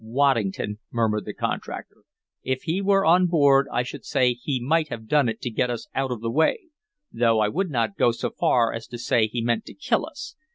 "Waddington!" murmured the contractor. "If he were on board I should say he might have done it to get us out of the way, though I would not go so far as to say he meant to kill us.